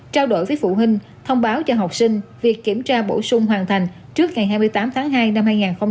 trao đổi với phụ huynh thông báo cho học sinh việc kiểm tra bổ sung hoàn thành trước ngày hai mươi tám tháng hai năm hai nghìn hai mươi